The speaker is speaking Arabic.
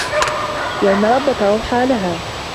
بِأَنَّ رَبَّكَ أَوحى لَها